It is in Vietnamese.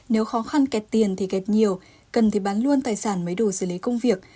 nếu khó khăn kẹt thì gẹp nhiều cần thì bán luôn tài sản mới đủ xử lý công việc